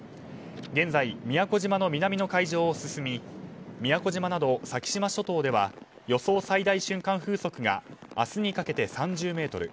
現在、宮古島の南の海上を進み宮古島など、先島諸島では予想最大瞬間風速が明日にかけて３０メートル。